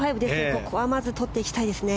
ここはまずとっていきたいですね。